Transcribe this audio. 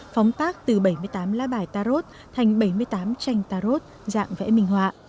phóng tác từ bảy mươi tám lá bài tarot thành bảy mươi tám tranh tarot dạng vẽ minh họa